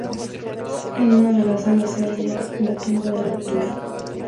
En una de sus salas se halla la tumba del autor.